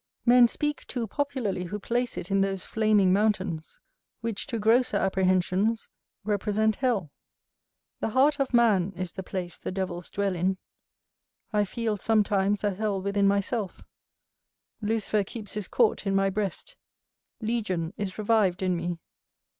Men speak too popularly who place it in those flaming mountains, which to grosser apprehensions represent hell. The heart of man is the place the devils dwell in; I feel sometimes a hell within myself; Lucifer keeps his court in my breast; Legion is revived in me.